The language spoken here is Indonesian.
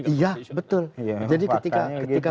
iya betul jadi ketika